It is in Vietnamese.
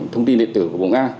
thông tin điện tử của bộng an